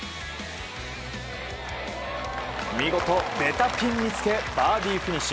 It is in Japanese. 見事ベタピンにつけバーディーフィニッシュ。